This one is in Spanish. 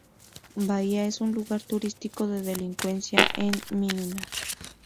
Bahía es un lugar turístico, la delincuencia es mínima.